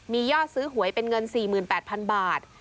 มียอดซื้อหวยเป็นเงิน๔๘๐๐๐บาท